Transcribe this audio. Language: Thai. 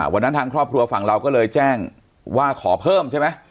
ทางครอบครัวฝั่งเราก็เลยแจ้งว่าขอเพิ่มใช่ไหม